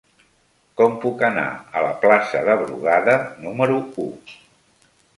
Com puc anar a la plaça de Brugada número u?